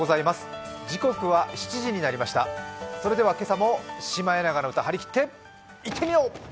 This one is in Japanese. それでは今朝も「シマエナガの歌」張り切っていってみよう！